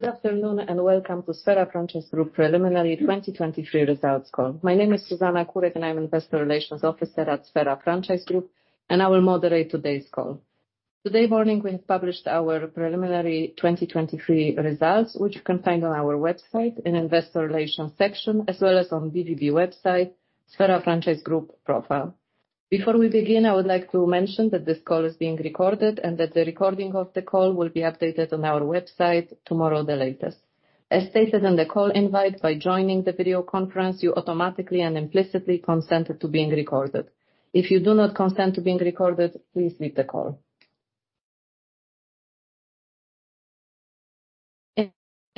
Good afternoon, and welcome to Sphera Franchise Group Preliminary 2023 Results call. My name is Susana Kurek, and I'm an investor relations officer at Sphera Franchise Group, and I will moderate today's call. Today morning, we've published our preliminary 2023 results, which you can find on our website in Investor Relations section, as well as on BVB website, Sphera Franchise Group profile. Before we begin, I would like to mention that this call is being recorded and that the recording of the call will be updated on our website tomorrow, the latest. As stated on the call invite, by joining the video conference, you automatically and implicitly consent to being recorded. If you do not consent to being recorded, please leave the call.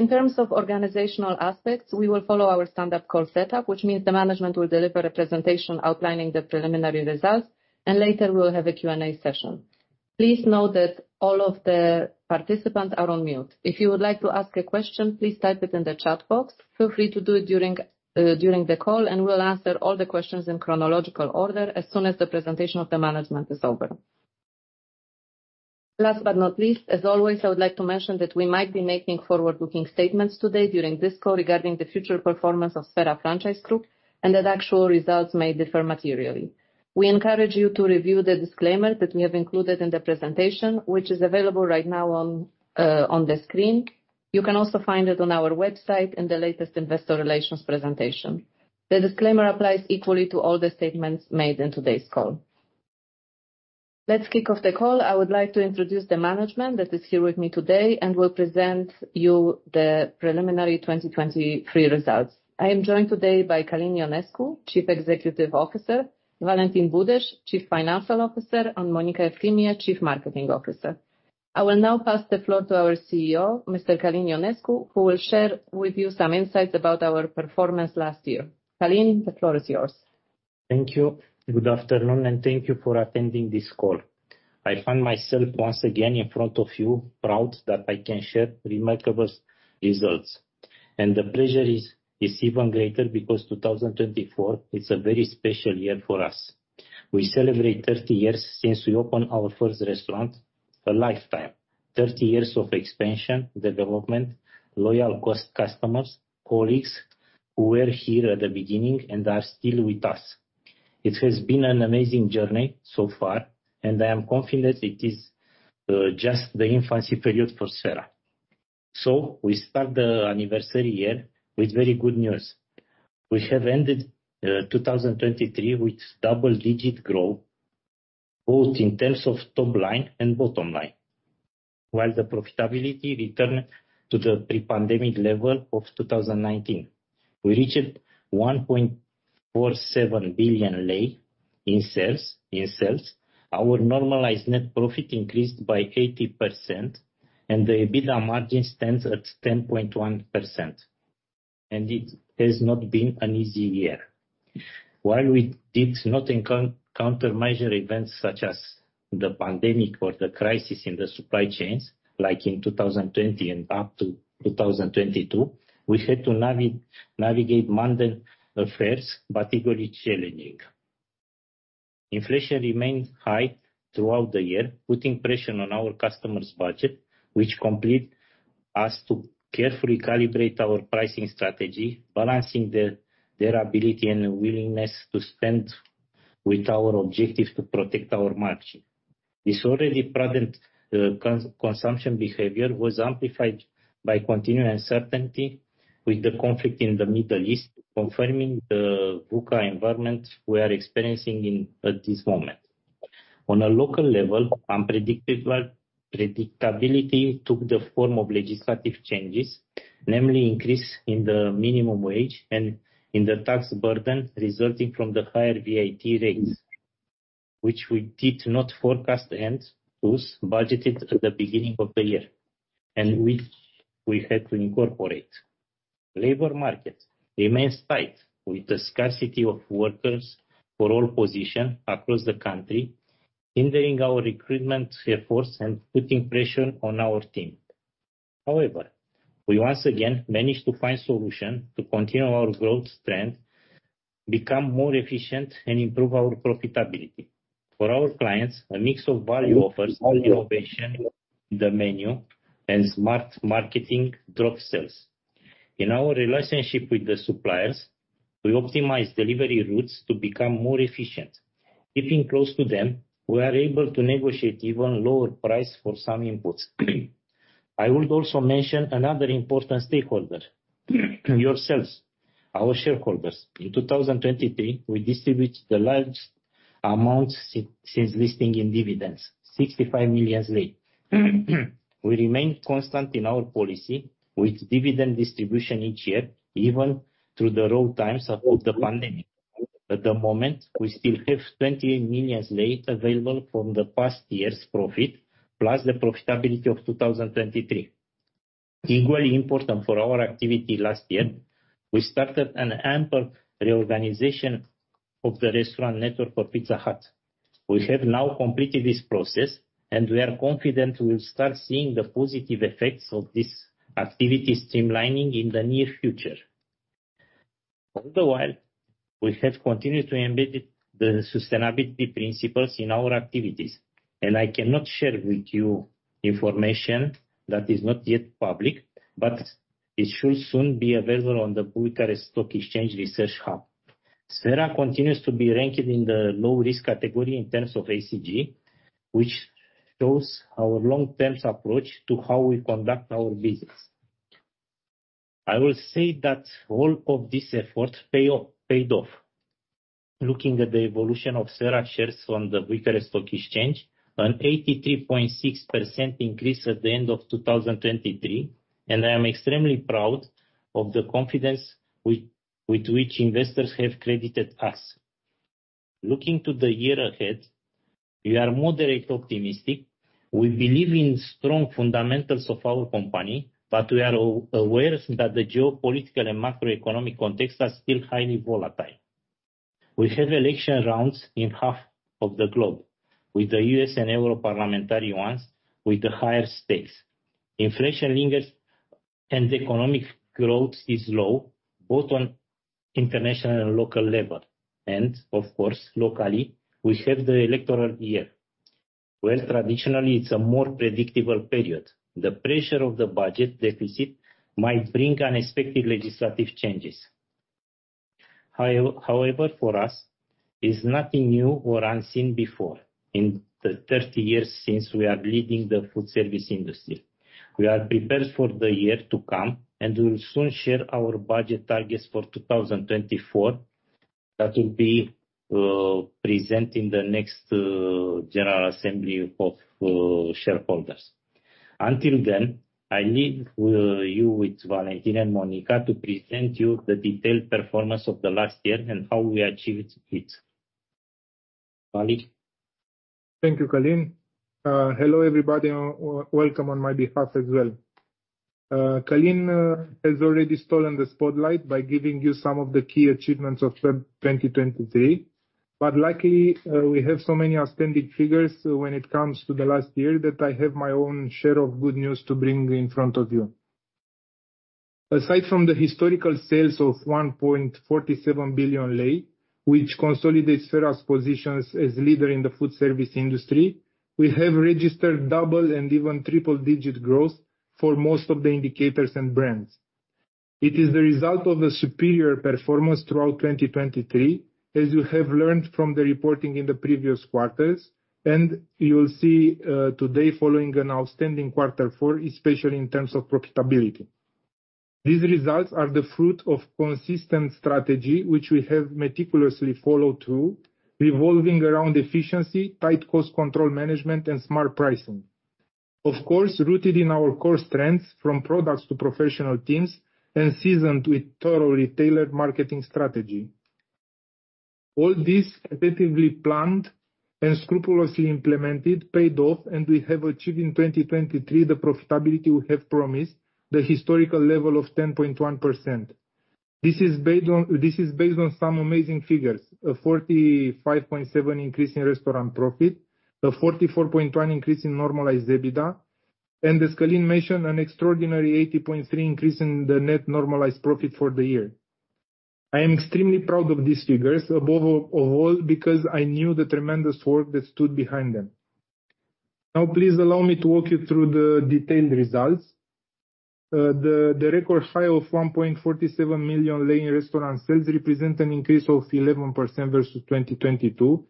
In terms of organizational aspects, we will follow our standard call setup, which means the management will deliver a presentation outlining the preliminary results, and later we will have a Q&A session. Please note that all of the participants are on mute. If you would like to ask a question, please type it in the chat box. Feel free to do it during the call, and we'll answer all the questions in chronological order as soon as the presentation of the management is over. Last but not least, as always, I would like to mention that we might be making forward-looking statements today during this call regarding the future performance of Sphera Franchise Group, and that actual results may differ materially. We encourage you to review the disclaimer that we have included in the presentation, which is available right now on the screen. You can also find it on our website in the latest investor relations presentation. The disclaimer applies equally to all the statements made in today's call. Let's kick off the call. I would like to introduce the management that is here with me today and will present you the preliminary 2023 results. I am joined today by Călin Ionescu, Chief Executive Officer, Valentin Budeș, Chief Financial Officer, and Monica Eftimie, Chief Marketing Officer. I will now pass the floor to our CEO, Mr. Călin Ionescu, who will share with you some insights about our performance last year. Călin, the floor is yours. Thank you. Good afternoon, and thank you for attending this call. I find myself once again in front of you, proud that I can share remarkable results. And the pleasure is even greater because 2024, it's a very special year for us. We celebrate 30 years since we opened our first restaurant, a lifetime, 30 years of expansion, development, loyal customers, colleagues who were here at the beginning and are still with us. It has been an amazing journey so far, and I am confident it is just the infancy period for Sphera. So we start the anniversary year with very good news. We have ended 2023 with double-digit growth, both in terms of top line and bottom line, while the profitability returned to the pre-pandemic level of 2019. We reached RON 1.47 billion in sales, in sales. Our normalized net profit increased by 80%, and the EBITDA margin stands at 10.1%, and it has not been an easy year. While we did not encounter major events such as the pandemic or the crisis in the supply chains, like in 2020 and up to 2022, we had to navigate modern affairs, but equally challenging. Inflation remained high throughout the year, putting pressure on our customers' budget, which compelled us to carefully calibrate our pricing strategy, balancing their, their ability and willingness to spend with our objective to protect our margin. This already present consumption behavior was amplified by continued uncertainty with the conflict in the Middle East, confirming the VUCA environment we are experiencing in, at this moment. On a local level, unpredictability took the form of legislative changes, namely, increase in the minimum wage and in the tax burden resulting from the higher VAT rates, which we did not forecast and thus budgeted at the beginning of the year, and which we had to incorporate. Labor market remains tight, with the scarcity of workers for all positions across the country, hindering our recruitment efforts and putting pressure on our team. However, we once again managed to find solution to continue our growth trend, become more efficient, and improve our profitability. For our clients, a mix of value offers, innovation in the menu and smart marketing drove sales. In our relationship with the suppliers, we optimized delivery routes to become more efficient. Keeping close to them, we are able to negotiate even lower price for some inputs. I would also mention another important stakeholder, yourselves, our shareholders. In 2023, we distributed the largest amount since listing in dividends, RON 65 million. We remain constant in our policy with dividend distribution each year, even through the rough times of the pandemic. At the moment, we still have RON 28 million available from the past year's profit, plus the profitability of 2023. Equally important for our activity last year, we started an ample reorganization of the restaurant network for Pizza Hut. We have now completed this process, and we are confident we will start seeing the positive effects of this activity streamlining in the near future... All the while, we have continued to embed the sustainability principles in our activities, and I cannot share with you information that is not yet public, but it should soon be available on the Bucharest Stock Exchange Research Hub. Sphera continues to be ranked in the low-risk category in terms of ESG, which shows our long-term approach to how we conduct our business. I will say that all of this effort paid off, looking at the evolution of Sphera shares on the Bucharest Stock Exchange, an 83.6% increase at the end of 2023, and I am extremely proud of the confidence with which investors have credited us. Looking to the year ahead, we are moderately optimistic. We believe in strong fundamentals of our company, but we are aware that the geopolitical and macroeconomic context are still highly volatile. We have election rounds in half of the globe, with the US and Euro parliamentary ones with the higher stakes. Inflation lingers, and economic growth is low, both on international and local level, and of course, locally, we have the electoral year, where traditionally it's a more predictable period. The pressure of the budget deficit might bring unexpected legislative changes. However, for us, it's nothing new or unseen before in the 30 years since we are leading the food service industry. We are prepared for the year to come, and we will soon share our budget targets for 2024. That will be present in the next General Assembly of Shareholders. Until then, I leave you with Valentin and Monica to present you the detailed performance of the last year and how we achieved it. Vali? Thank you, Călin. Hello, everybody, and welcome on my behalf as well. Călin has already stolen the spotlight by giving you some of the key achievements of 2023, but luckily, we have so many outstanding figures when it comes to the last year, that I have my own share of good news to bring in front of you. Aside from the historical sales of RON 1.47 billion, which consolidates Sphera's positions as leader in the food service industry, we have registered double and even triple-digit growth for most of the indicators and brands. It is the result of a superior performance throughout 2023, as you have learned from the reporting in the previous quarters, and you will see today, following an outstanding quarter four, especially in terms of profitability. These results are the fruit of consistent strategy, which we have meticulously followed through, revolving around efficiency, tight cost control management, and smart pricing. Of course, rooted in our core strengths, from products to professional teams, and seasoned with thorough retailer marketing strategy. All this effectively planned and scrupulously implemented, paid off, and we have achieved in 2023 the profitability we have promised, the historical level of 10.1%. This is based on, this is based on some amazing figures: a 45.7 increase in restaurant profit, a 44.1 increase in normalized EBITDA, and as Călin mentioned, an extraordinary 80.3 increase in the net normalized profit for the year. I am extremely proud of these figures, above all, because I knew the tremendous work that stood behind them. Now, please allow me to walk you through the detailed results. The record high of RON 1.47 million in restaurant sales represent an increase of 11% versus 2022,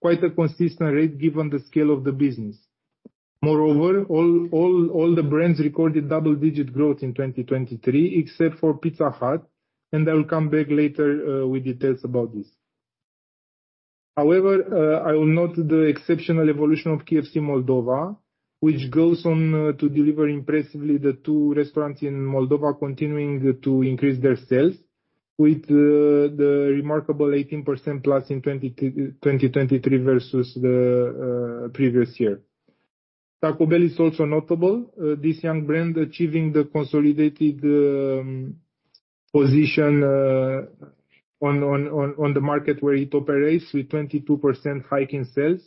quite a consistent rate given the scale of the business. Moreover, all the brands recorded double-digit growth in 2023, except for Pizza Hut, and I will come back later with details about this. However, I will note the exceptional evolution of KFC Moldova, which goes on to deliver impressively, the two restaurants in Moldova continuing to increase their sales with the remarkable 18%+ in 2023 versus the previous year. Taco Bell is also notable, this young brand achieving the consolidated position on the market where it operates, with 22% hike in sales,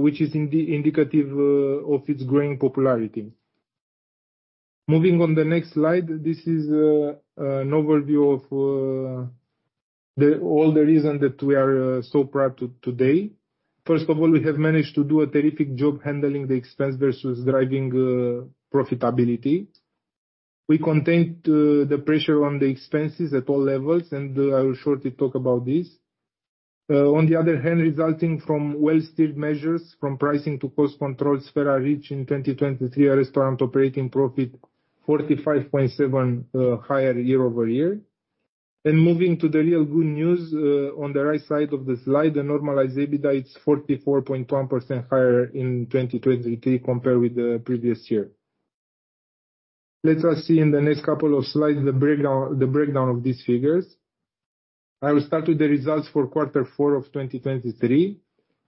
which is indicative of its growing popularity. Moving on the next slide, this is an overview of all the reason that we are so proud today. First of all, we have managed to do a terrific job handling the expense versus driving profitability. We contained the pressure on the expenses at all levels, and I will shortly talk about this. On the other hand, resulting from well-stepped measures, from pricing to cost controls, Sphera reached in 2023 a restaurant operating profit RON 45.7 higher year-over-year. And moving to the real good news, on the right side of the slide, the normalized EBITDA is 44.1% higher in 2023 compared with the previous year. Let us see in the next couple of slides, the breakdown, the breakdown of these figures. I will start with the results for quarter four of 2023.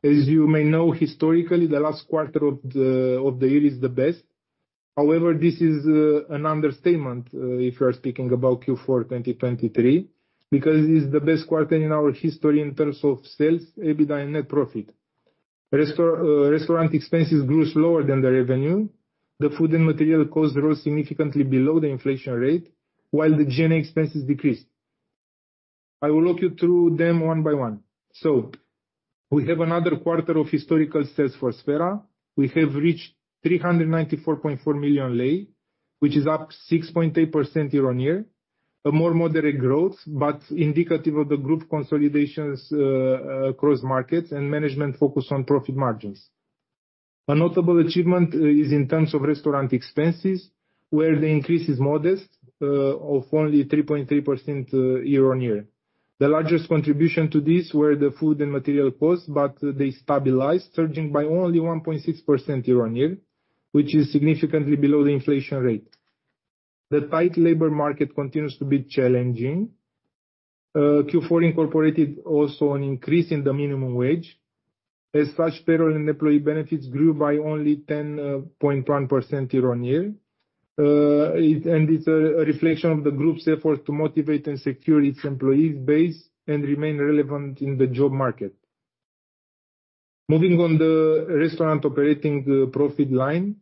As you may know, historically, the last quarter of the year is the best. However, this is an understatement if you are speaking about Q4 2023, because it's the best quarter in our history in terms of sales, EBITDA, and net profit. Restaurant expenses grew slower than the revenue. The food and material costs rose significantly below the inflation rate, while the G&A expenses decreased. I will walk you through them one by one. So we have another quarter of historical sales for Sphera. We have reached RON 394.4 million, which is up 6.8% year-on-year, a more moderate growth, but indicative of the group consolidations across markets and management focus on profit margins. A notable achievement is in terms of restaurant expenses, where the increase is modest of only 3.3% year-on-year. The largest contribution to this were the food and material costs, but they stabilized, surging by only 1.6% year-on-year, which is significantly below the inflation rate. The tight labor market continues to be challenging. Q4 incorporated also an increase in the minimum wage. As such, payroll and employee benefits grew by only 10.1% year-on-year. And it's a reflection of the group's effort to motivate and secure its employees base and remain relevant in the job market. Moving on the restaurant operating profit line,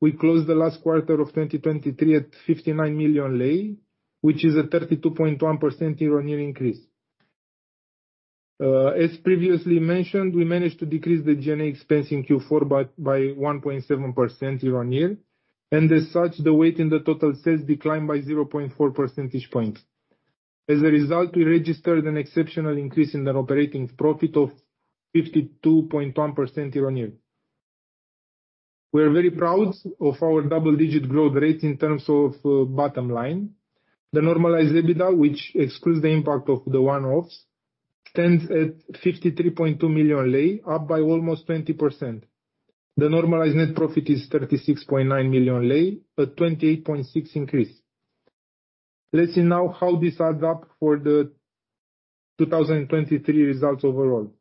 we closed the last quarter of 2023 at RON 59 million, which is a 32.1% year-on-year increase. As previously mentioned, we managed to decrease the G&A expense in Q4 by 1.7% year-on-year, and as such, the weight in the total sales declined by 0.4 percentage points. As a result, we registered an exceptional increase in the operating profit of 52.1% year-on-year. We are very proud of our double-digit growth rate in terms of bottom line. The normalized EBITDA, which excludes the impact of the one-offs, stands at RON 53.2 million, up by almost 20%. The normalized net profit is RON 36.9 million, a 28.6% increase. Let's see now how this adds up for the 2023 results overall.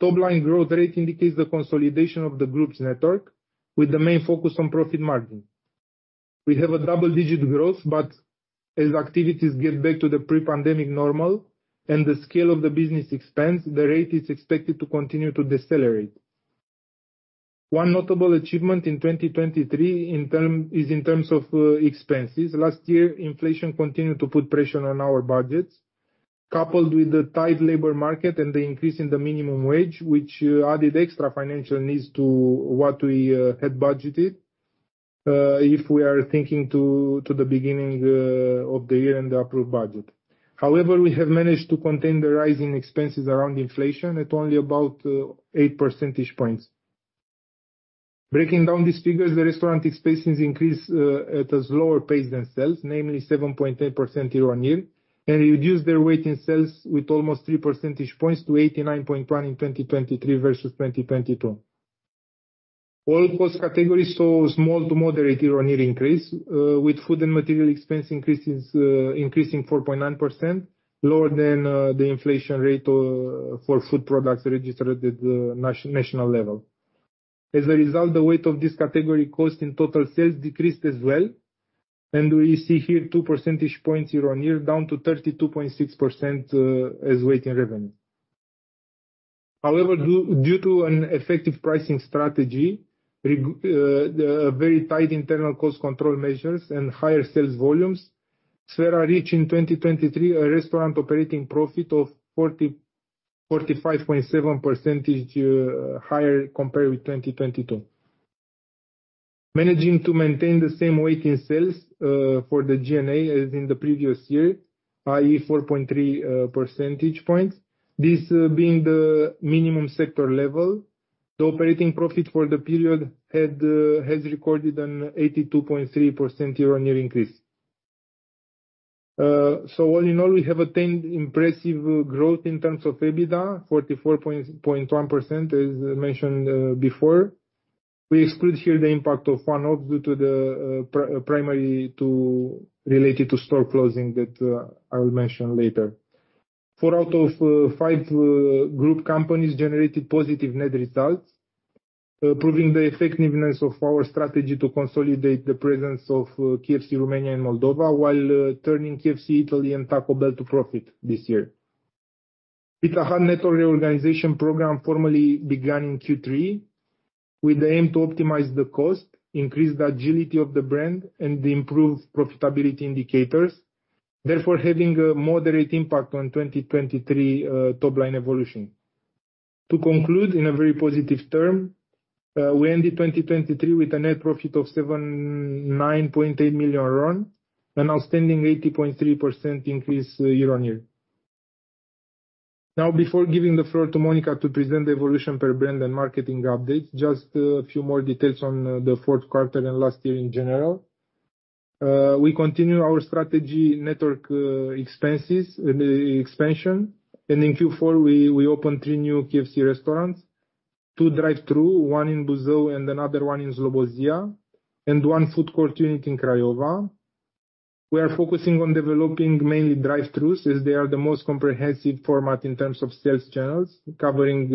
Top-line growth rate indicates the consolidation of the group's network, with the main focus on profit margin. We have a double-digit growth, but as activities get back to the pre-pandemic normal and the scale of the business expands, the rate is expected to continue to decelerate. One notable achievement in 2023 is in terms of expenses. Last year, inflation continued to put pressure on our budgets, coupled with the tight labor market and the increase in the minimum wage, which added extra financial needs to what we had budgeted, if we are thinking to the beginning of the year and the approved budget. However, we have managed to contain the rising expenses around inflation at only about eight percentage points. Breaking down these figures, the restaurant expenses increased at a slower pace than sales, namely 7.8% year-on-year, and reduced their weight in sales with almost 3 percentage points to 89.1% in 2023 versus 2022. All cost categories saw a small to moderate year-on-year increase with food and material expense increases increasing 4.9%, lower than the inflation rate for food products registered at the national level. As a result, the weight of this category cost in total sales decreased as well, and we see here 2 percentage points year-on-year, down to 32.6%, as weight in revenue. However, due to an effective pricing strategy, very tight internal cost control measures, and higher sales volumes, Sphera reached in 2023 a restaurant operating profit of 45.7%, higher compared with 2022. Managing to maintain the same weight in sales for the G&A as in the previous year, i.e., 4.3 percentage points, this being the minimum sector level, the operating profit for the period has recorded an 82.3% year-on-year increase. So all in all, we have attained impressive growth in terms of EBITDA, 44.1%, as mentioned before. We exclude here the impact of one-off due to the primarily related to store closing that I will mention later. Four out of five group companies generated positive net results, proving the effectiveness of our strategy to consolidate the presence of KFC Romania and Moldova, while turning KFC Italy and Taco Bell to profit this year. Pizza Hut network reorganization program formally began in Q3 with the aim to optimize the cost, increase the agility of the brand, and improve profitability indicators, therefore, having a moderate impact on 2023 top line evolution. To conclude, in a very positive term, we ended 2023 with a net profit of RON 79.8 million, an outstanding 80.3% increase year-on-year. Now, before giving the floor to Monica to present the evolution per brand and marketing updates, just a few more details on the fourth quarter and last year in general. We continue our strategy network, expenses and expansion, and in Q4, we opened three new KFC restaurants, two drive-through, one in Buzău and another one in Slobozia, and one food court unit in Craiova. We are focusing on developing mainly drive-throughs, as they are the most comprehensive format in terms of sales channels, covering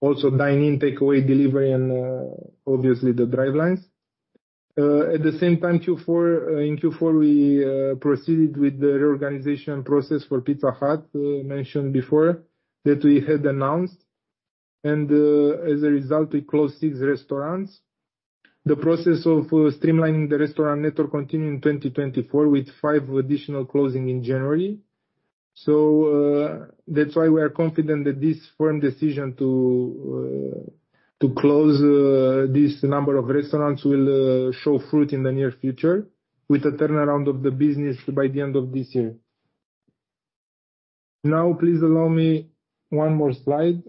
also dine-in, takeaway, delivery, and obviously, the drive lines. At the same time, in Q4, we proceeded with the reorganization process for Pizza Hut, mentioned before, that we had announced, and as a result, we closed six restaurants. The process of streamlining the restaurant network continued in 2024, with five additional closing in January. So, that's why we are confident that this firm decision to close this number of restaurants will show fruit in the near future, with a turnaround of the business by the end of this year. Now, please allow me one more slide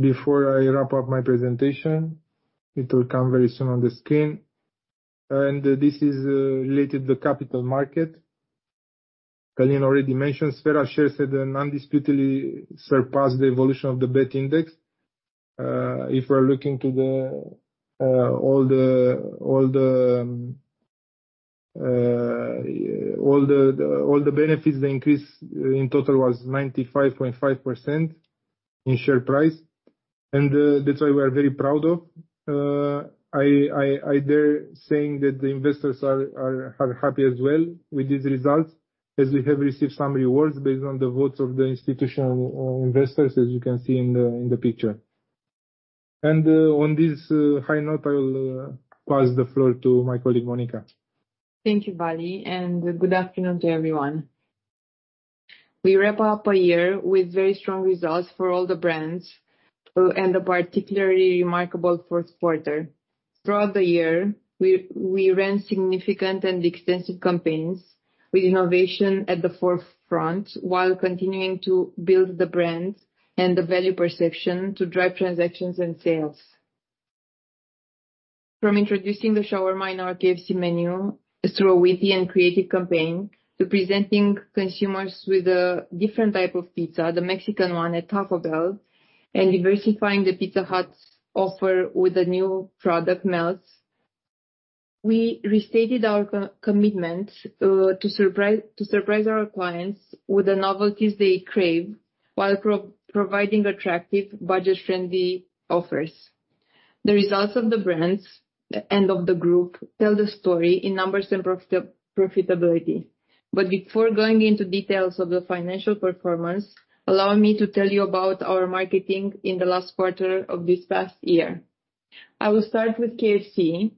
before I wrap up my presentation. It will come very soon on the screen, and this is related to capital market. Călin already mentioned, Sphera shares had undisputedly surpassed the evolution of the BET Index. If we're looking to the all the benefits, the increase in total was 95.5% in share price, and that's why we are very proud of, I dare saying that the investors are happy as well with these results, as we have received some rewards based on the votes of the institutional investors, as you can see in the picture. On this high note, I will pass the floor to my colleague, Monica. Thank you, Vali, and good afternoon to everyone. We wrap up a year with very strong results for all the brands, and a particularly remarkable fourth quarter. Throughout the year, we ran significant and extensive campaigns with innovation at the forefront, while continuing to build the brands and the value perception to drive transactions and sales. From introducing the shawarma in our KFC menu through a witty and creative campaign, to presenting consumers with a different type of pizza, the Mexican one at Taco Bell, and diversifying the Pizza Hut's offer with a new product, Melts. We restated our commitment to surprise our clients with the novelties they crave, while providing attractive, budget-friendly offers. The results of the brands and of the group tell the story in numbers and profitability. But before going into details of the financial performance, allow me to tell you about our marketing in the last quarter of this past year. I will start with KFC,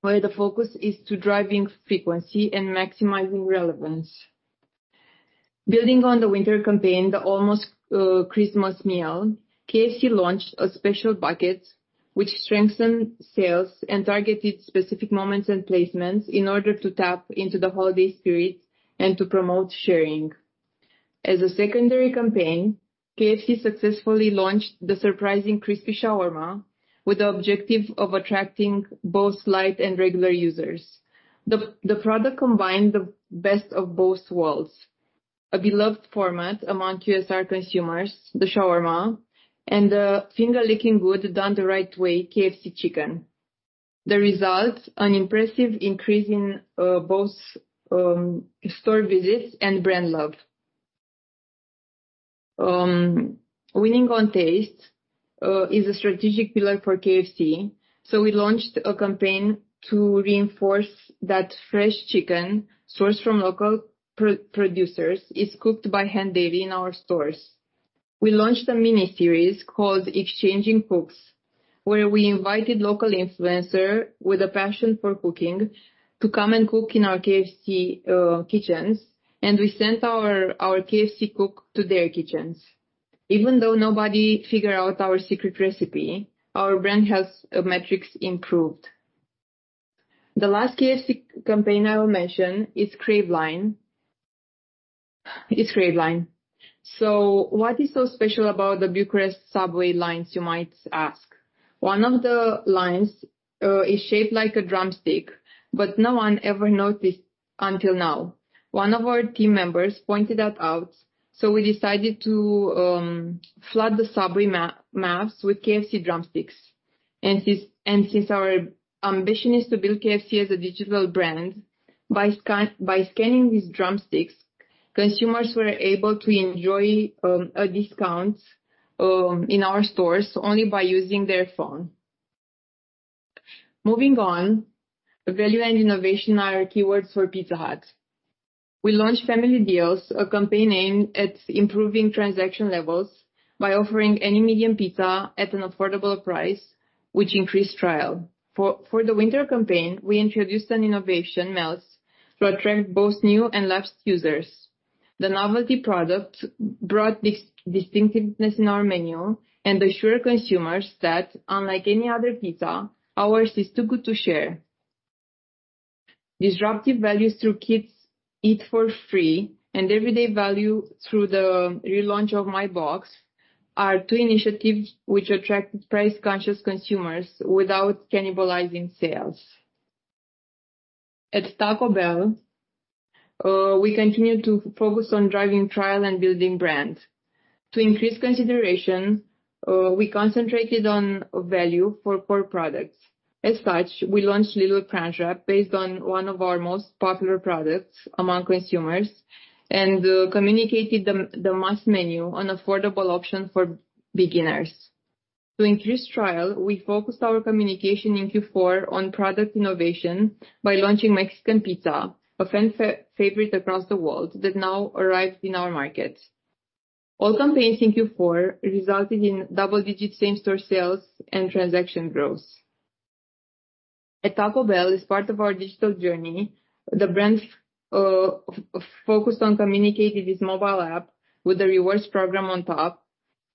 where the focus is to driving frequency and maximizing relevance. Building on the winter campaign, the almost Christmas meal, KFC launched a special bucket, which strengthened sales and targeted specific moments and placements in order to tap into the holiday spirit and to promote sharing. As a secondary campaign, KFC successfully launched the surprising Crispy Shawarma, with the objective of attracting both light and regular users. The product combined the best of both worlds: a beloved format among QSR consumers, the shawarma, and the finger-licking good, done the right way, KFC chicken. The result, an impressive increase in both store visits and brand love. Winning on taste is a strategic pillar for KFC, so we launched a campaign to reinforce that fresh chicken, sourced from local producers, is cooked by hand daily in our stores. We launched a miniseries called Exchanging Cooks, where we invited local influencer with a passion for cooking to come and cook in our KFC kitchens, and we sent our KFC cook to their kitchens. Even though nobody figured out our secret recipe, our brand health metrics improved. The last KFC campaign I will mention is Crave Line. It's Crave Line. "So what is so special about the Bucharest subway lines?" You might ask. One of the lines is shaped like a drumstick, but no one ever noticed until now. One of our team members pointed that out, so we decided to flood the subway maps with KFC drumsticks. And since our ambition is to build KFC as a digital brand, by scanning these drumsticks, consumers were able to enjoy a discount in our stores only by using their phone. Moving on, value and innovation are our keywords for Pizza Hut. We launched family deals, a campaign aimed at improving transaction levels by offering any medium pizza at an affordable price, which increased trial. For the winter campaign, we introduced an innovation, Melts, to attract both new and lapsed users. The novelty product brought distinctiveness in our menu and assure consumers that, unlike any other pizza, ours is too good to share. Disruptive values through Kids Eat for Free and Everyday Value through the relaunch of MyBox are two initiatives which attracted price-conscious consumers without cannibalizing sales. At Taco Bell, we continue to focus on driving trial and building brands. To increase consideration, we concentrated on value for core products. As such, we launched Little Crunchwrap, based on one of our most popular products among consumers, and communicated the Must Menu, an affordable option for beginners. To increase trial, we focused our communication in Q4 on product innovation by launching Mexican Pizza, a fan favorite across the world, that now arrives in our market. All campaigns in Q4 resulted in double-digit same-store sales and transaction growth. At Taco Bell, as part of our digital journey, the brand focused on communicating its mobile app with a rewards program on top,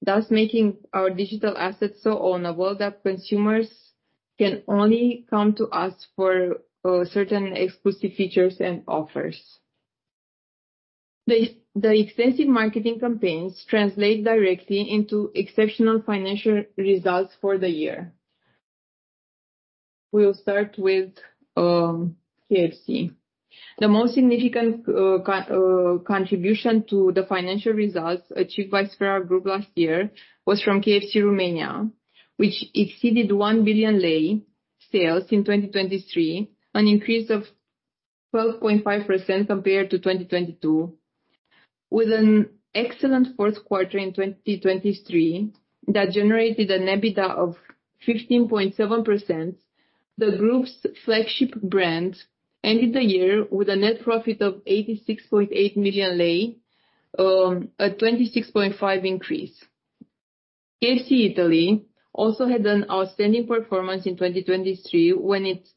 thus making our digital assets so ownable that consumers can only come to us for certain exclusive features and offers. The extensive marketing campaigns translate directly into exceptional financial results for the year. We'll start with KFC. The most significant contribution to the financial results achieved by Sphera Group last year was from KFC Romania, which exceeded RON 1 billion sales in 2023, an increase of 12.5% compared to 2022, with an excellent fourth quarter in 2023 that generated an EBITDA of 15.7%. The group's flagship brand ended the year with a net profit of RON 86.8 million, a 26.5% increase. KFC Italy also had an outstanding performance in 2023, when it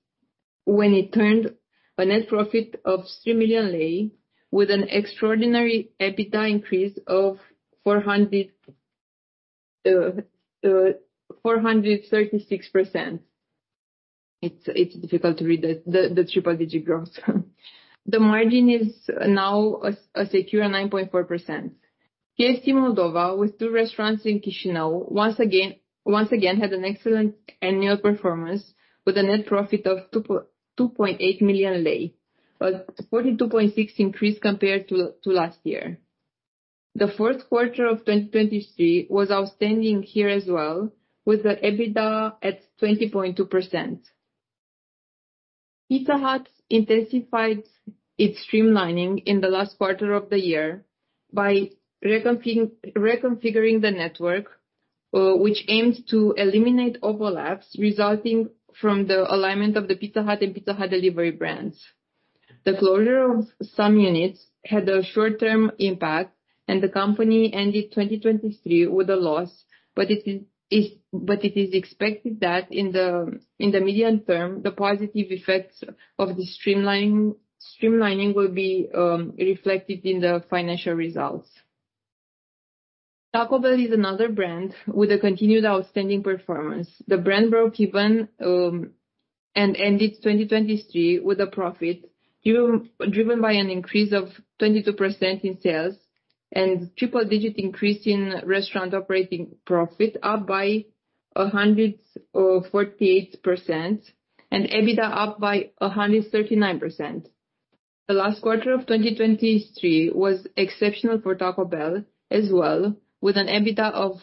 turned a net profit of RON 3 million, with an extraordinary EBITDA increase of 436%. It's difficult to read the triple digit growth. The margin is now a secure 9.4%. KFC Moldova, with two restaurants in Chișinău, once again had an excellent annual performance, with a net profit of RON 2.8 million, a 42.6% increase compared to last year. The fourth quarter of 2023 was outstanding here as well, with the EBITDA at 20.2%. Pizza Hut intensified its streamlining in the last quarter of the year by reconfiguring the network, which aims to eliminate overlaps resulting from the alignment of the Pizza Hut and Pizza Hut Delivery brands. The closure of some units had a short-term impact, and the company ended 2023 with a loss, but it is expected that in the medium term, the positive effects of the streamlining will be reflected in the financial results. Taco Bell is another brand with a continued outstanding performance. The brand broke even and ended 2023 with a profit, driven by an increase of 22% in sales and triple digit increase in restaurant operating profit, up by 148%, and EBITDA up by 139%. The last quarter of 2023 was exceptional for Taco Bell as well, with an EBITDA of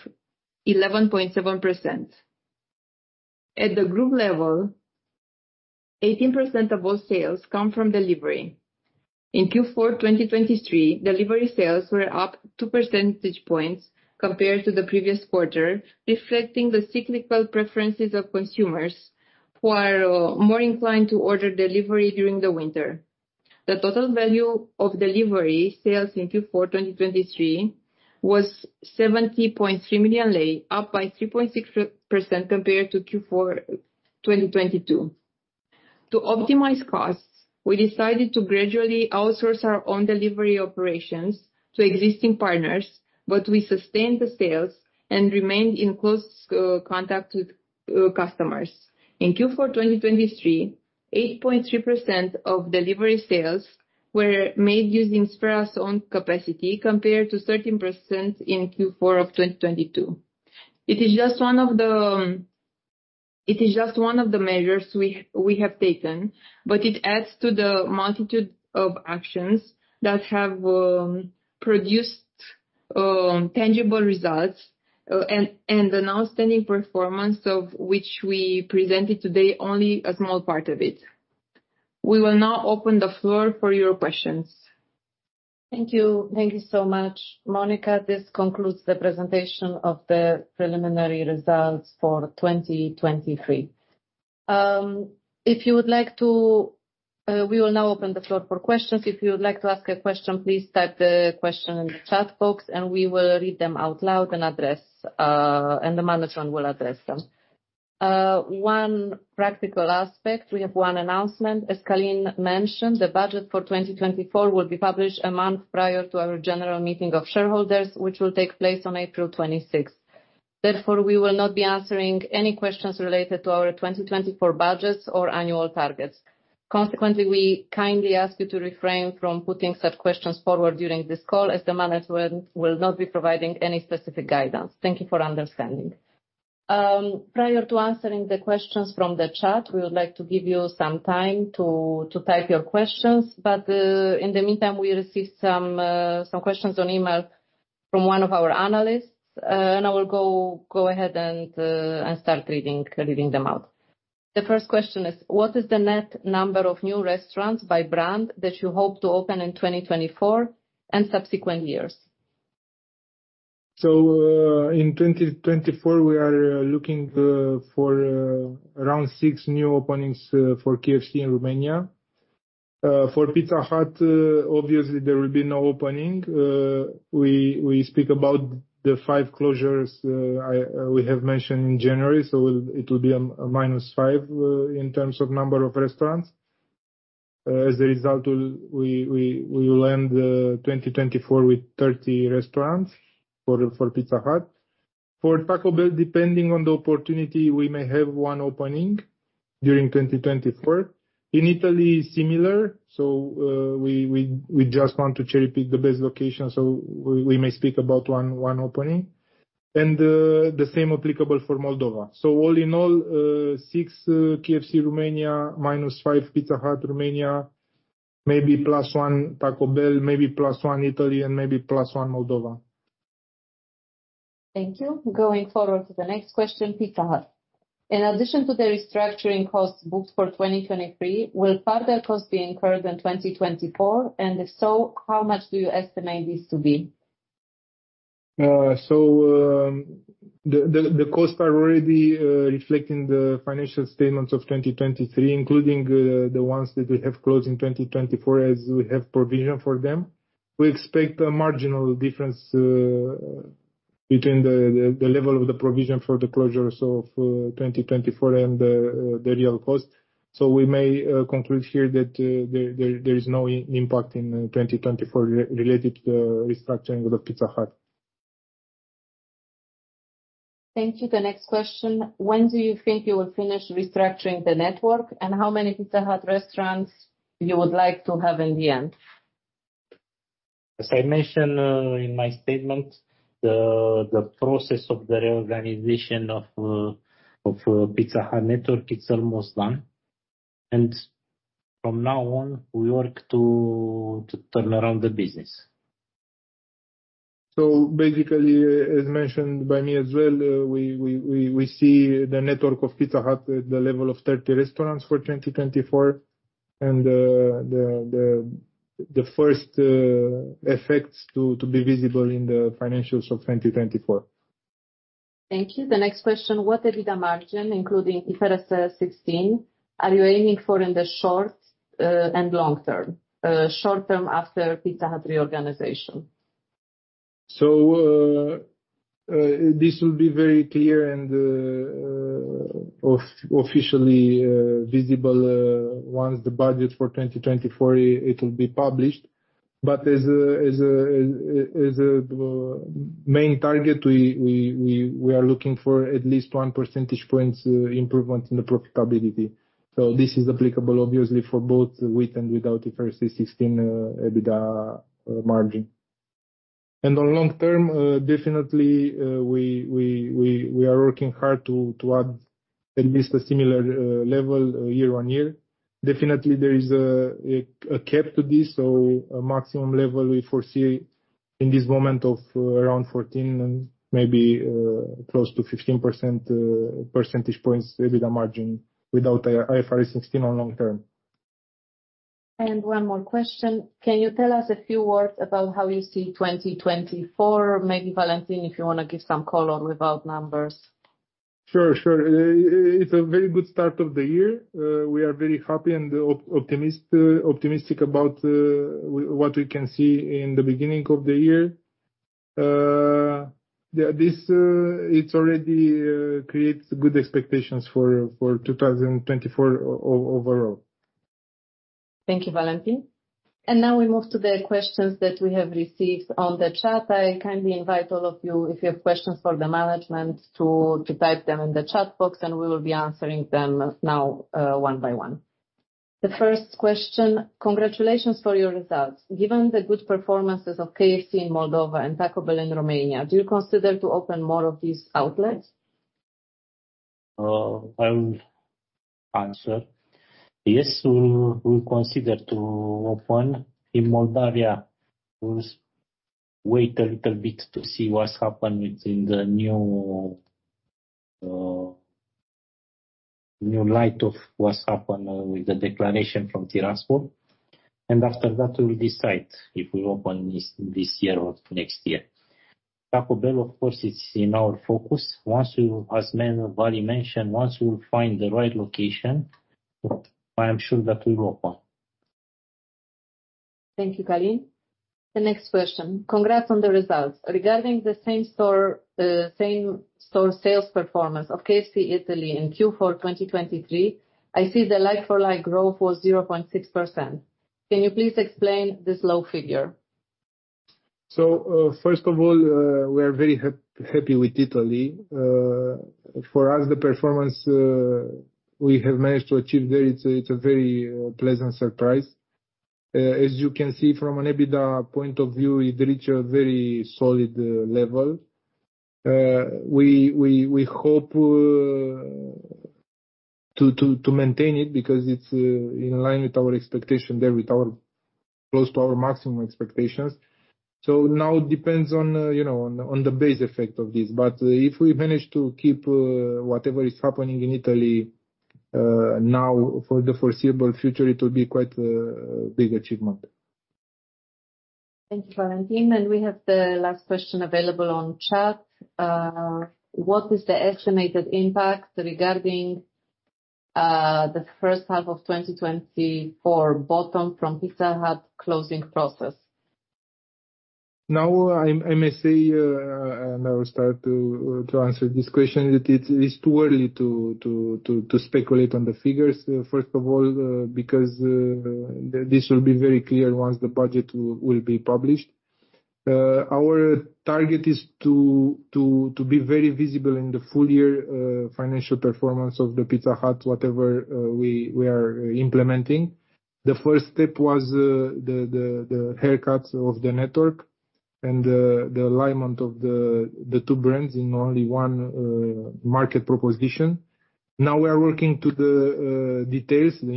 11.7%. At the group level, 18% of all sales come from delivery. In Q4 2023, delivery sales were up two percentage points compared to the previous quarter, reflecting the cyclical preferences of consumers, who are more inclined to order delivery during the winter. The total value of delivery sales in Q4 2023 was RON 70.3 million, up by 3.6% compared to Q4 2022. To optimize costs, we decided to gradually outsource our own delivery operations to existing partners, but we sustained the sales and remained in close contact with customers. In Q4 2023, 8.3% of delivery sales were made using Sphera's own capacity, compared to 13% in Q4 of 2022. It is just one of the measures we have taken, but it adds to the multitude of actions that have produced tangible results and an outstanding performance, of which we presented today only a small part of it. We will now open the floor for your questions. Thank you. Thank you so much, Monica. This concludes the presentation of the preliminary results for 2023. If you would like to... We will now open the floor for questions. If you would like to ask a question, please type the question in the chat box, and we will read them out loud and address, and the management will address them. One practical aspect, we have one announcement. As Călin mentioned, the budget for 2024 will be published a month prior to our General Meeting of Shareholders, which will take place on April 26th. Therefore, we will not be answering any questions related to our 2024 budgets or annual targets. Consequently, we kindly ask you to refrain from putting such questions forward during this call, as the management will not be providing any specific guidance. Thank you for understanding. Prior to answering the questions from the chat, we would like to give you some time to type your questions, but in the meantime, we received some questions on email from one of our analysts. And I will go ahead and start reading them out.... The first question is: what is the net number of new restaurants by brand that you hope to open in 2024 and subsequent years? So, in 2024, we are looking for around 6 new openings for KFC in Romania. For Pizza Hut, obviously there will be no opening. We speak about the 5 closures we have mentioned in January, so it will be a minus 5 in terms of number of restaurants. As a result, we will end 2024 with 30 restaurants for Pizza Hut. For Taco Bell, depending on the opportunity, we may have one opening during 2024. In Italy, similar, so we just want to cherry-pick the best location, so we may speak about one opening. And the same applicable for Moldova. So all in all, 6 KFC Romania, minus 5 Pizza Hut Romania, maybe plus 1 Taco Bell, maybe plus 1 Italy, and maybe plus 1 Moldova. Thank you. Going forward to the next question, Pizza Hut. In addition to the restructuring costs booked for 2023, will further costs be incurred in 2024? And if so, how much do you estimate this to be? So, the costs are already reflecting the financial statements of 2023, including the ones that we have closed in 2024, as we have provision for them. We expect a marginal difference between the level of the provision for the closures of 2024 and the real cost. So we may conclude here that there is no impact in 2024 related to the restructuring of the Pizza Hut. Thank you. The next question: When do you think you will finish restructuring the network, and how many Pizza Hut restaurants would you like to have in the end? As I mentioned in my statement, the process of the reorganization of Pizza Hut network is almost done, and from now on, we work to turn around the business. So basically, as mentioned by me as well, we see the network of Pizza Hut at the level of 30 restaurants for 2024, and the first effects to be visible in the financials of 2024. Thank you. The next question: what EBITDA margin, including IFRS 16, are you aiming for in the short, and long term? Short term after Pizza Hut reorganization. So, this will be very clear and officially visible once the budget for 2024, it will be published. But as a main target, we are looking for at least 1 percentage points improvement in the profitability. So this is applicable, obviously, for both with and without IFRS 16 EBITDA margin. And on long term, definitely, we are working hard to add at least a similar level year-on-year. Definitely, there is a cap to this, so a maximum level we foresee in this moment of around 14 and maybe close to 15% percentage points EBITDA margin without IFRS 16 on long term. One more question: Can you tell us a few words about how you see 2024? Maybe Valentin, if you want to give some color without numbers. Sure, sure. It's a very good start of the year. We are very happy and optimistic about what we can see in the beginning of the year. Yeah, this, it's already creates good expectations for 2024 overall. Thank you, Valentin. Now we move to the questions that we have received on the chat. I kindly invite all of you, if you have questions for the management, to type them in the chat box, and we will be answering them now, one by one. The first question: Congratulations for your results. Given the good performances of KFC in Moldova and Taco Bell in Romania, do you consider to open more of these outlets? I will answer. Yes, we, we consider to open in Moldova. We'll wait a little bit to see what's happened within the new, new light of what's happened with the declaration from Tiraspol. And after that, we'll decide if we open this, this year or next year. Taco Bell, of course, is in our focus. As Vali mentioned, once we will find the right location, I am sure that we will open. Thank you, Călin. The next question: Congrats on the results. Regarding the same store, same store sales performance of KFC Italy in Q4 2023, I see the like-for-like growth was 0.6%. Can you please explain this low figure? So, first of all, we are very happy with Italy. For us, the performance we have managed to achieve there, it's a very pleasant surprise. As you can see, from an EBITDA point of view, it reached a very solid level. We hope to maintain it because it's in line with our expectation there, close to our maximum expectations. So now it depends on, you know, on the base effect of this. But, if we manage to keep whatever is happening in Italy now for the foreseeable future, it will be quite big achievement. Thank you, Valentin. We have the last question available on chat. What is the estimated impact regarding the first half of 2024, bottom from Pizza Hut closing process? Now, I may say, and I will start to answer this question, it is too early to speculate on the figures. First of all, because this will be very clear once the budget will be published. Our target is to be very visible in the full year financial performance of the Pizza Hut, whatever we are implementing. The first step was the haircuts of the network and the alignment of the two brands in only one market proposition. Now we are working to the details, the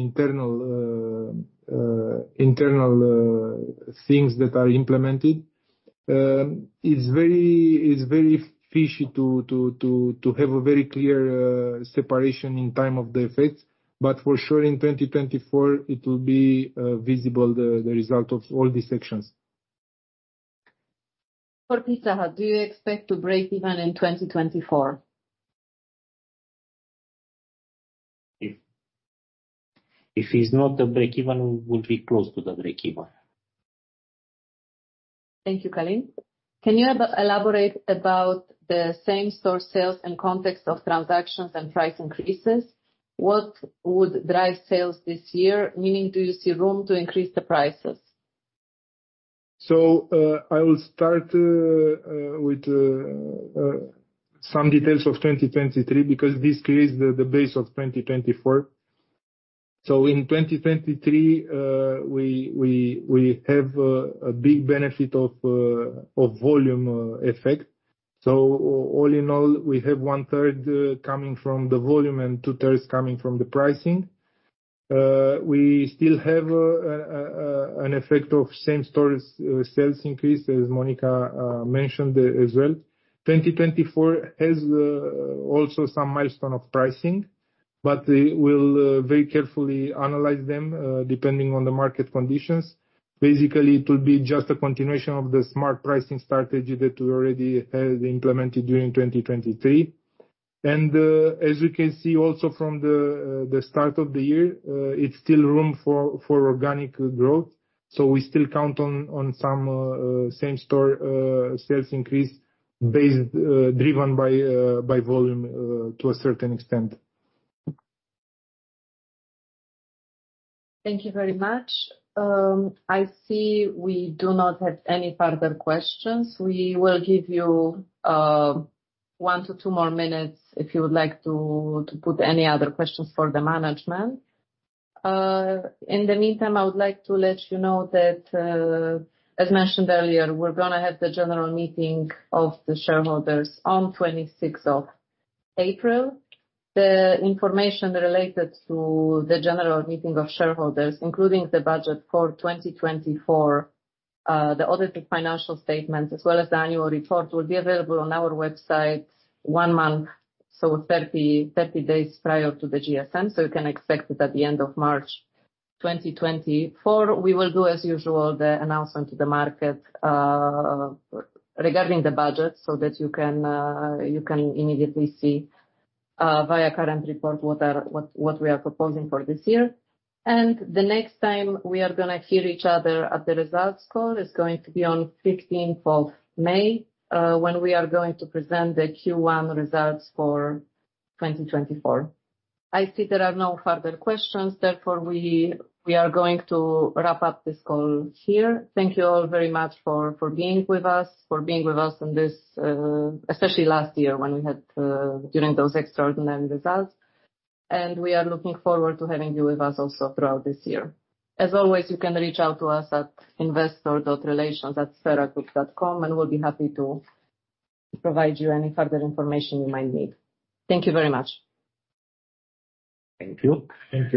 internal things that are implemented. It's very fishy to have a very clear separation in time of the effects, but for sure, in 2024, it will be visible, the result of all these sections. For Pizza Hut, do you expect to break even in 2024? If it's not the break-even, we will be close to the break-even. Thank you, Călin. Can you elaborate about the same store sales and context of transactions and price increases? What would drive sales this year? Meaning, do you see room to increase the prices? I will start with some details of 2023, because this creates the base of 2024. In 2023, we have a big benefit of volume effect. All in all, we have one third coming from the volume and two thirds coming from the pricing. We still have an effect of same stores sales increase, as Monica mentioned as well. 2024 has also some milestone of pricing, but we'll very carefully analyze them depending on the market conditions. Basically, it will be just a continuation of the smart pricing strategy that we already had implemented during 2023. As you can see also from the start of the year, it's still room for organic growth, so we still count on some same-store sales increase based, driven by volume, to a certain extent. Thank you very much. I see we do not have any further questions. We will give you 1 to 2 more minutes if you would like to put any other questions for the management. In the meantime, I would like to let you know that, as mentioned earlier, we're gonna have the general meeting of the shareholders on 26th of April. The information related to the general meeting of shareholders, including the budget for 2024, the audited financial statement, as well as the annual report, will be available on our website one month, so 30 days prior to the GSM. So you can expect it at the end of March 2024. We will do, as usual, the announcement to the market, regarding the budget, so that you can immediately see, via current report, what are... What we are proposing for this year. The next time we are gonna hear each other at the results call is going to be on fifteenth of May, when we are going to present the Q1 results for 2024. I see there are no further questions. Therefore, we are going to wrap up this call here. Thank you all very much for being with us, for being with us on this, especially last year, when we had during those extraordinary results. We are looking forward to having you with us also throughout this year. As always, you can reach out to us at investor.relations@spheragroup.com, and we'll be happy to provide you any further information you might need. Thank you very much. Thank you, and-